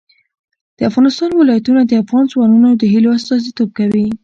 د افغانستان ولايتونه د افغان ځوانانو د هیلو استازیتوب کوي.